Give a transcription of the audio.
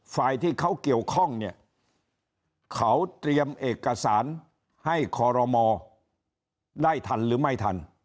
ฝ่ายที่เขาเกี่ยวข้องเนี่ยเขาเตรียมเอกสารให้คอรมอได้ทันหรือไม่ทัน